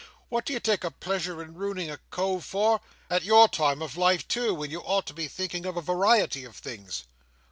"What do you take a pleasure in ruining a cove for? At your time of life too! when you ought to be thinking of a variety of things!"